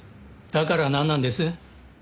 だからなんなんです？